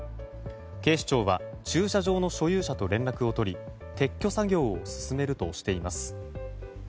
警視庁は駐車場の所有者と連絡を取り撤去作業を進めるとしています。